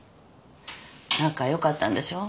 仲良かったんでしょう？